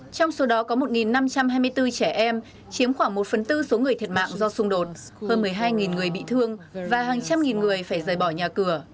trong số đó có một năm trăm hai mươi bốn trẻ em chiếm khoảng một phần tư số người thiệt mạng do xung đột hơn một mươi hai người bị thương và hàng trăm nghìn người phải rời bỏ nhà cửa